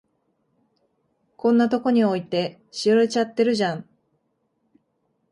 こんなとこに置いて、しおれちゃってるじゃん。